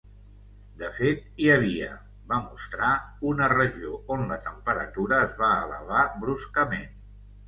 De fet, hi havia, va mostrar, una regió on la temperatura es va elevar bruscament.